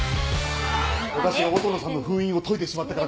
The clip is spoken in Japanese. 私が音野さんの封印を解いてしまったから。